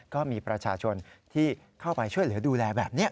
ก็มีประชาชนที่เข้าไปช่วยเหลือดูแลแบบนี้